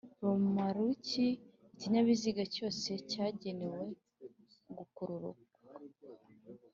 RomorokiIkinyabiziga cyose cyagenewe gukururwa